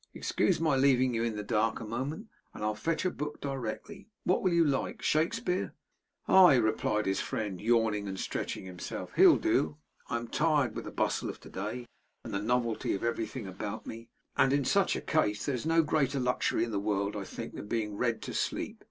'Excuse my leaving you in the dark a moment, and I'll fetch a book directly. What will you like? Shakespeare?' 'Aye!' replied his friend, yawning and stretching himself. 'He'll do. I am tired with the bustle of to day, and the novelty of everything about me; and in such a case, there's no greater luxury in the world, I think, than being read to sleep.